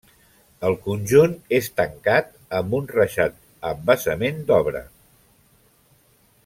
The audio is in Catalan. El conjunt és tancat amb un reixat amb basament d'obra.